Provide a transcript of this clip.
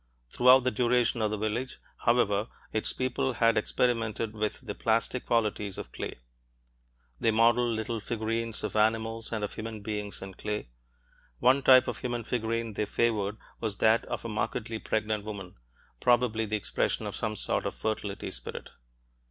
Throughout the duration of the village, however, its people had experimented with the plastic qualities of clay. They modeled little figurines of animals and of human beings in clay; one type of human figurine they favored was that of a markedly pregnant woman, probably the expression of some sort of fertility spirit.